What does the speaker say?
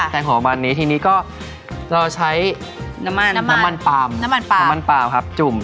แปลงหัวประมาณเนี้ยทีนี้ก็เราใช้น้ำมันน้ำมันปาล์มน้ำมันปาล์มครับจุ่ม